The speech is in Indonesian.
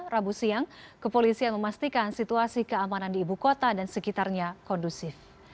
rabu siang kepolisian memastikan situasi keamanan di ibu kota dan sekitarnya kondusif